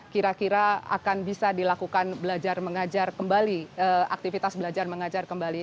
kira kira akan bisa dilakukan belajar mengajar kembali aktivitas belajar mengajar kembali